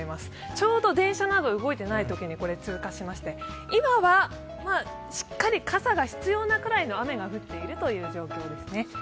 ちょうど電車などが動いていないときに通過しまして、今はしっかり傘が必要なくらいの雨が降っているという状況です。